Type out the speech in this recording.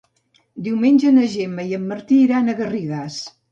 Diumenge na Gemma i en Martí iran a Garrigàs.